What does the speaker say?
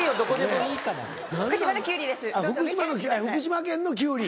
あっ福島県のキュウリ。